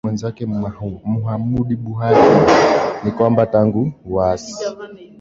mwenzake Muhammadu Buhari Ni kwamba tangu uasi